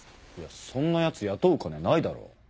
そんなやつ雇う金ないだろ。